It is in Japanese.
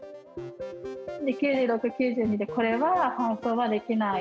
９６や９２で、これは搬送はできない。